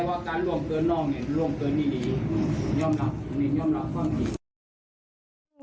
อ่ะการล่วงเกินนอกเร็วเย็นมี